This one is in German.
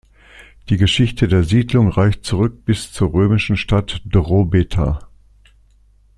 Die Geschichte der Siedlung reicht zurück bis zur römischen Stadt "Drobeta".